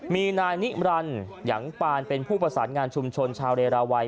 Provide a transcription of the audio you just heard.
มีนายนิรันดิ์ยังปานเป็นผู้ประสานงานชุมชนชาวเรราวัย